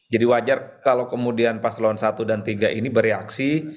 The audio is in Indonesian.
jadi wajar kalau kemudian pas lawan satu dan tiga ini bereaksi